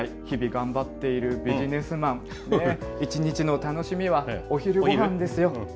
日々頑張っているビジネスマンね、一日の楽しみはお昼ごはんですよ。